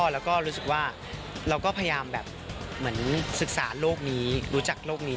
แล้วก็รู้สึกว่าเราก็พยายามแบบเหมือนศึกษาโลกนี้รู้จักโลกนี้